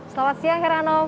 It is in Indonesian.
selamat siang heranov